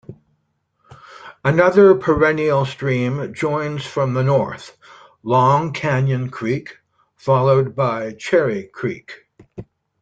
Another perennial stream joins from the north, long Canyon Creek, followed by Cherry Creek.